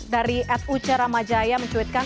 dari ed uca ramajaya mencuitkan